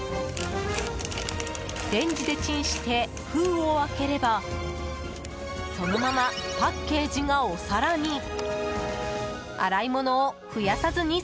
レンジでチンして封を開ければそのままパッケージがお皿に。